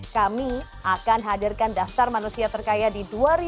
kami akan hadirkan daftar manusia terkaya di dua ribu dua puluh